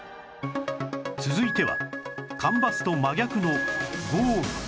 続いては干ばつと真逆の豪雨